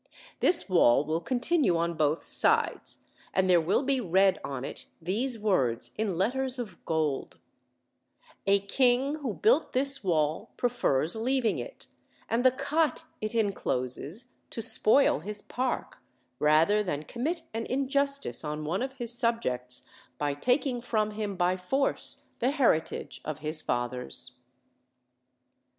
This wall will continue on both sides, and there will be read on it these words in letters of gold: 'A king who built this wall prefers leaving it, and the cot it in closes, to spoil his park, rather than commit an injustice on one of his subjects by taking from him by force the heritage of his fathers.'